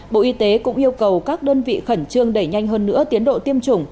bộ y tế cũng yêu cầu các đơn vị khẩn trương đẩy nhanh hơn nữa tiến độ tiêm chủng